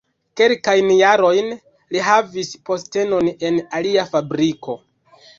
Kelkajn jarojn li havis postenon en alia fabriko.